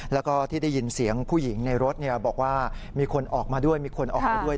แล้วก็ที่ได้ยินเสียงผู้หญิงในรถบอกว่ามีคนออกมาด้วยมีคนออกมาด้วย